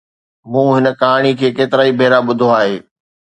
مون هن ڪهاڻي کي ڪيترائي ڀيرا ٻڌو آهي.